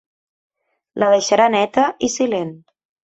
La deixarà neta i silent.